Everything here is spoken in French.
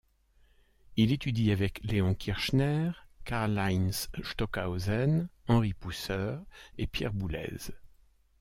Il étudie avec Leon Kirchner, Karlheinz Stockhausen, Henri Pousseur et Pierre Boulez.